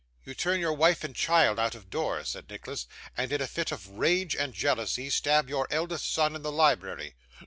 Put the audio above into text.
'You turn your wife and child out of doors,' said Nicholas; 'and, in a fit of rage and jealousy, stab your eldest son in the library.